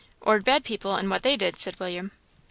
"Or bad people and what they did," said William.